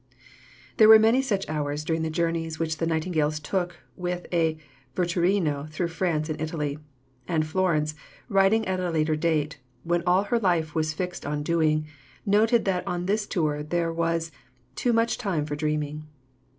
There were many such hours during the journeys which the Nightingales took with a vetturino through France and Italy; and Florence, writing at a later date, when all her life was fixed on doing, noted that on this tour there was "too much time for dreaming."